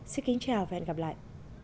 xin kính chào và hẹn gặp lại